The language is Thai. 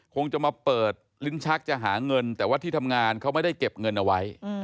คงจะมาเปิดลิ้นชักจะหาเงินแต่ว่าที่ทำงานเขาไม่ได้เก็บเงินเอาไว้